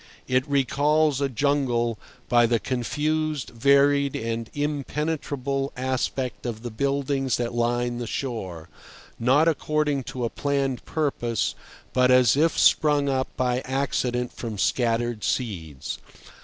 It recalls a jungle by the confused, varied, and impenetrable aspect of the buildings that line the shore, not according to a planned purpose, but as if sprung up by accident from scattered seeds.